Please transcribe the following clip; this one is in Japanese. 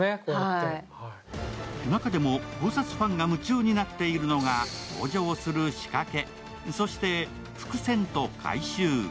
中でも考察ファンが夢中になっているのが、登場する仕掛け、そして伏線と回収。